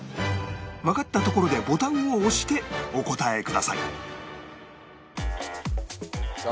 わかったところでボタンを押してお答えくださいさあ。